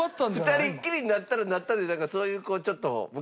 二人っきりになったらなったでそういうこうちょっと昔。